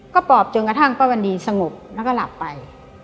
ก็ปอบจนกระทั่งป้าวันดีสงบแล้วก็หลับไป